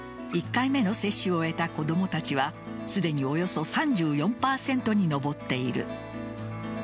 １回目の接種を終えた子供たちはすでにおよそ３４％に上っている。